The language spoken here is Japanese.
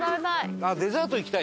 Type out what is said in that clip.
あっデザートいきたい？